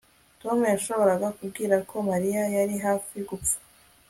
Tom yashoboraga kubwira ko Mariya yari hafi gupfa